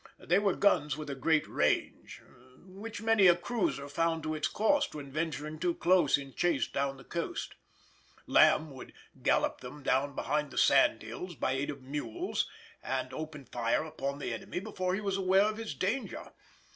They were guns with a great range, which many a cruiser found to its cost when venturing too close in chase down the coast. Lamb would gallop them down behind the sandhills, by aid of mules, and open fire upon the enemy before he was aware of his danger.